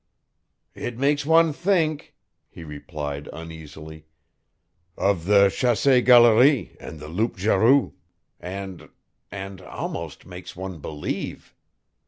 "It makes one think," he replied uneasily, "of the chasse galere and the loup garou, and and almost makes one believe.